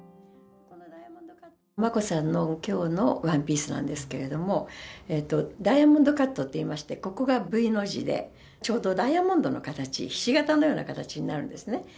眞子さんのきょうのワンピースなんですけれども、ダイヤモンドカットっていいまして、ここがＶの字で、ちょうどダイヤモンドの形、ひし形のような形になるんですね。